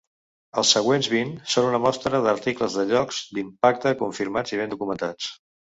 Els següents vint són una mostra d'articles de llocs d'impacte confirmats i ben documentats.